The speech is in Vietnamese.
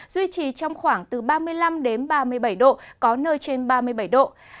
duy trì trong khoảng từ ba mươi năm đến ba mươi bảy độ có nơi trên ba mươi bảy độ